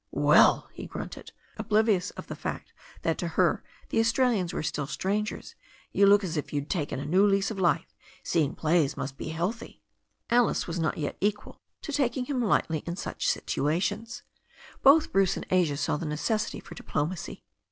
"Well/' he grunted, oblivious of the fact that to her the Australians were still strangers, "you look as if you'd taken a new lease of life. Seeing plays must be healthy." Alice was not yet equal to taking him lightly in such situ ations. Both Bruce and Asia saw the necessity for di plomacy.